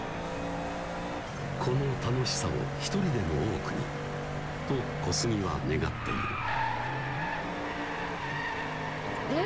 この楽しさを一人でも多くにと小杉は願っているえ？